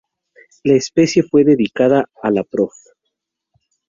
La especie fue dedicada al Prof.